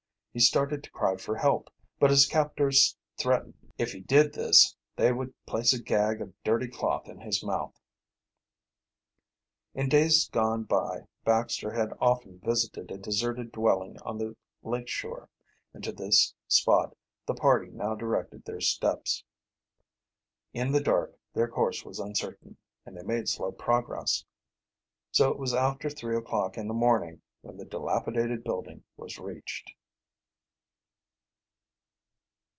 He started to cry for help, but his captors threatened if he did this that they would place a gag of dirty cloth in his mouth. In days gone by Baxter had often visited a deserted dwelling on the lake shore, and to this spot the party now directed their steps. In the dark their course was uncertain, and they made slow progress, so it was after three o'clock in the morning when the dilapidated building was reached.